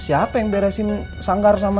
siapa yang beresin sanggupnya